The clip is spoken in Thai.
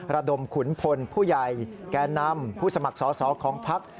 ระดมขุนพลผู้ใหญ่แก่นำผู้สมัครสอสอของพัก